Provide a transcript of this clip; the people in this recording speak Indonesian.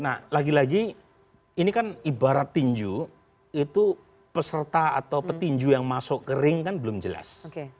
nah lagi lagi ini kan ibarat tinju itu peserta atau petinju yang masuk ke ring kan belum jelas